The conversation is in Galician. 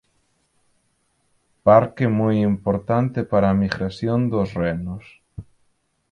Parque moi importante para a migración dos renos.